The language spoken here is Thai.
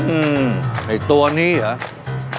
อืมไอ้ตัวนี้เหรอ